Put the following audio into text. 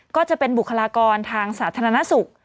ก็จะเป็นบุคลากรทางสาธารณสุข